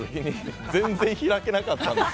全然開けなかったです。